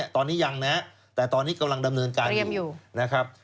ตอนนี้ยังนะแต่ตอนนี้กำลังดำเนินการอยู่นะครับ